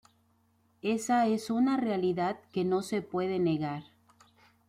Esa es una realidad que no se puede negar.